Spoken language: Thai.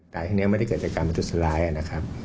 ตายที่นี้ไม่ได้เกิดจากการมตุษลายนะครับ